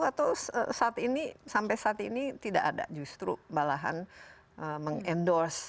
atau sampai saat ini tidak ada justru balahan meng endorse